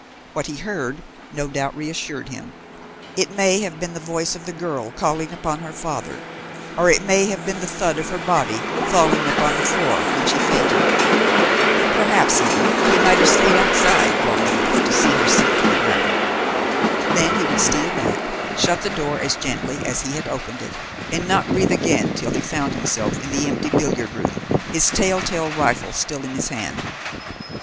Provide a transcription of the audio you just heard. What he heard, no doubt reassured him; it may have been the voice of the girl calling upon her father, or it may have been the thud of her body falling upon the floor when she fainted. Perhaps, even, he may have stayed outside long enough to see her sink to the ground. Then he would steal back, shut the door as gently as he had opened it, and not breathe again till he found himself in the empty billiard room, his tell tale rifle still in his hand.